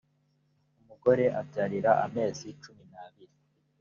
umuogore abyarira amezi cumi nabiri .